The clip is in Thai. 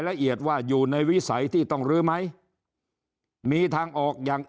ละเอียดว่าอยู่ในวิสัยที่ต้องลื้อไหมมีทางออกอย่าง